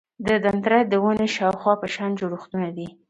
دندرایت د ونې د شاخونو په شان جوړښتونه دي.